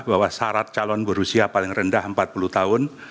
bahwa syarat calon berusia paling rendah empat puluh tahun